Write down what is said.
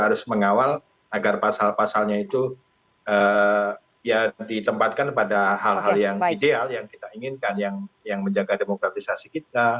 harus mengawal agar pasal pasalnya itu ya ditempatkan pada hal hal yang ideal yang kita inginkan yang menjaga demokratisasi kita